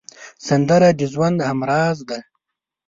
سندره د ژوند همراز ده